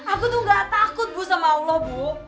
aku tuh gak takut bu sama allah bu